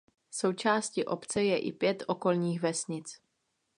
Součástí obce je i pět okolních vesnic.